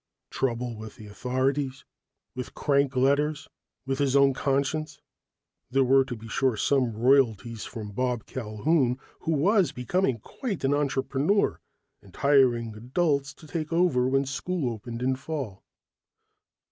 Trouble with the authorities, with crank letters, with his own conscience. There were, to be sure, some royalties from Bob Culquhoun, who was becoming quite an entrepreneur and hiring adults to take over when school opened in fall.